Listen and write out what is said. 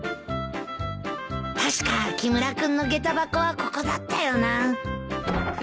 確か木村君のげた箱はここだったよな。